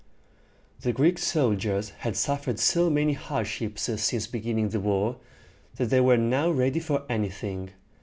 The Greek soldiers had suffered so many hardships since beginning the war, that they were now ready for anything.